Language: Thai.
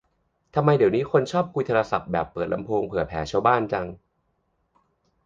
ทำไมเดี๋ยวนี้คนชอบคุยโทรศัพท์แบบเปิดลำโพงเผื่อแผ่ชาวบ้านจัง